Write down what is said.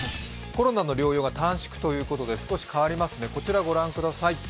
コロナの療養が短縮ということで少し変わりますね、こちらご覧ください。